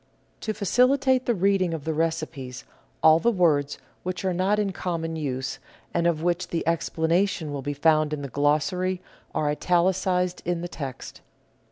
To facilitate the reading of the recipes, all words which are not in common use, and of which the explanation will be found in the Glossary, are italicised in the text.